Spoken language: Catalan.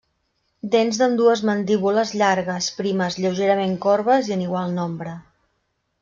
Dents d'ambdues mandíbules llargues, primes, lleugerament corbes i en igual nombre.